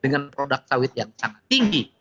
dengan produk sawit yang sangat tinggi